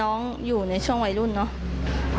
อยู่ในช่วงวัยรุ่นเนอะ